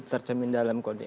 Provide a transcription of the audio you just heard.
terjamin dalam kode etik